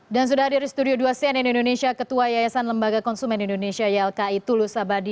dan sudah hadir di studio dua cn indonesia ketua yayasan lembaga konsumen indonesia ylki tulus abadi